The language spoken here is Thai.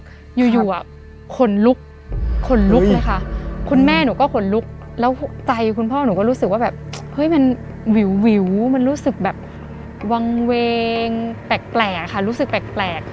อยู่อยู่อ่ะขนลุกขนลุกเลยค่ะคุณแม่หนูก็ขนลุกแล้วใจคุณพ่อหนูก็รู้สึกว่าแบบเฮ้ยมันวิวมันรู้สึกแบบวางเวงแปลกค่ะรู้สึกแปลก